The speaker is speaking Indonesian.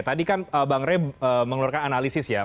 tadi kan bang rey mengeluarkan analisis ya